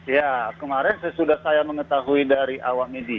ya kemarin sesudah saya mengetahui dari awam media